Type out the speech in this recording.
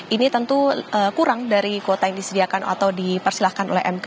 ini tentu kurang dari kuota yang disediakan atau dipersilahkan oleh mk